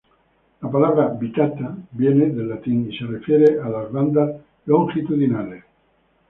La palabra "vittata" viene del latín y se refiere a las bandas longitudinales.